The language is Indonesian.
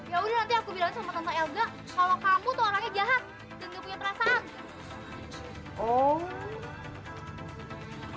ya udah nanti aku bilang sama tante elga kalau kamu tuh orangnya jahat dan gak punya perasaan